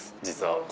実は。